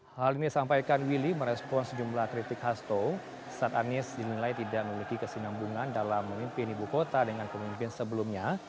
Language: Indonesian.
hal ini disampaikan willy merespon sejumlah kritik hasto saat anies dinilai tidak memiliki kesinambungan dalam memimpin ibu kota dengan pemimpin sebelumnya